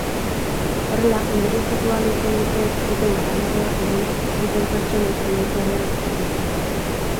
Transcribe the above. Horrela, ondorioztatu ahal izan zuten garagardoa edan zuten pertsonek emaitza hobeak zituztela.